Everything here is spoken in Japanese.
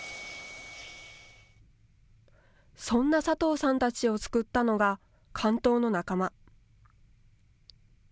そんな佐藤さんたちを救ったのが、竿燈の仲間。